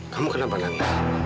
kamu kenapa nanti